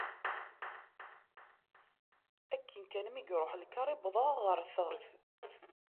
Akken kan mi iruḥ lkaṛ i wwḍeɣ ɣer teɣsert.